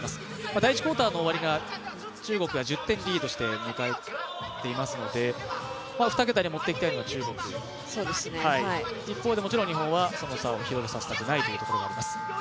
第１クオーターの終わりが中国が１０点リードして迎えていますので、２桁に持っていきたい中国、一方でもちろん、日本はその差を広げさせたくないところがあります。